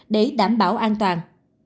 để đảm bảo an toàn